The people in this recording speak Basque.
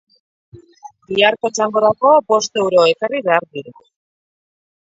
biharko txangorako bost euro ekarri behar dira